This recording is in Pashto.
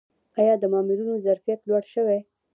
آیا د مامورینو ظرفیت لوړ شوی؟